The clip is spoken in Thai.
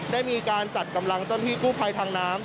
ได้มีการจัดกำลังเจ้าหน้าที่กู้ภัยทางน้ำ